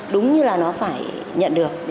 đúng như là nó phải nhận được